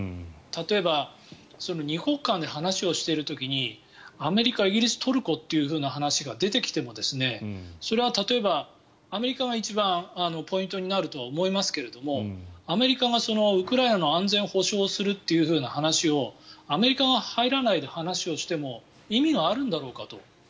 例えば２国間で話をしている時にアメリカ、イギリス、トルコという話が出てきてもそれは例えばアメリカが一番ポイントになるとは思いますけどもアメリカがウクライナの安全を保障するという話をアメリカが入らないで話をしても意味があるんだろうかと。